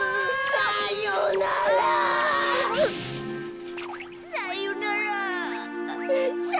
さよなら！